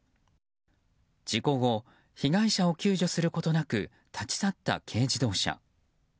事故後被害者を救助することなく立ち去った軽自動車。